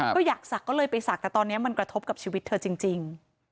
ก็อยากศักดิ์ก็เลยไปศักดิ์แต่ตอนนี้มันกระทบกับชีวิตเธอจริง